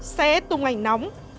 sẽ tung ảnh nóng